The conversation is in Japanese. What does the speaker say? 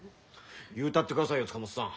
言うたってくださいよ塚本さん。